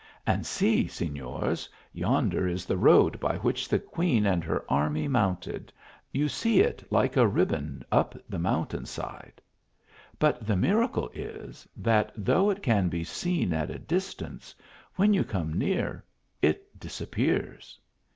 And see, Signers, yonder is the road by which the queen and her army mounted, you see it like a riband up the mountain side ; but the miracle is, that, though it can be seen at a dis tance, when you come near, it disappears.